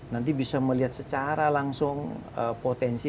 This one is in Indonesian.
nanti bisa melihat secara langsung potensi